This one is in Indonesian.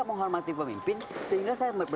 menghormati pemimpin sehingga saya